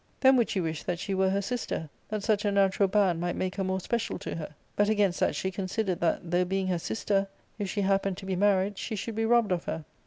Then would she wish that she were her sister, that such a natural band might make her more special to her ; but against that she considered that, though being her sister, if she happened to be married, she should be robbed of her.